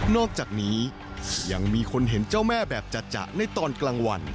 อกจากนี้ยังมีคนเห็นเจ้าแม่แบบจัดในตอนกลางวัน